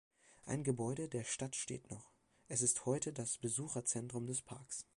Ein Gebäude der Stadt steht noch: es ist heute das Besucherzentrum des Parks.